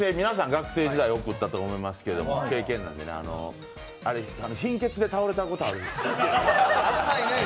学生時代、送ったと思うんですけど経験なんで、貧血で倒れたことある。